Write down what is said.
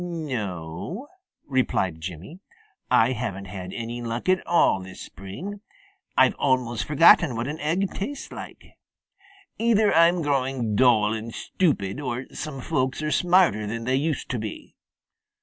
"No," replied Jimmy, "I haven't had any luck at all this spring. I've almost forgotten what an egg tastes like. Either I'm growing dull and stupid, or some folks are smarter than they used to be.